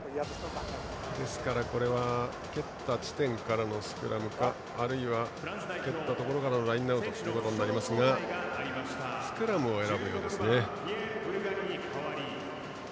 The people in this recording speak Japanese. ですから、これは蹴った地点からのスクラムかあるいは蹴ったところからのラインアウトとなりますがスクラムを選ぶようですね。